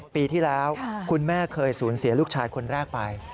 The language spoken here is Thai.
ปีที่แล้วคุณแม่เคยสูญเสียลูกชายคนแรกไป